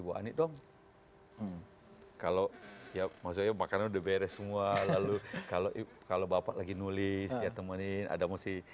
bu ani dong kalau ya makanya udah beres semua lalu kalau kalau bapak lagi nulis dia temenin ada masih